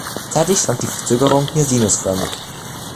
Zeitlich schwankt die Verzögerung hier sinusförmig.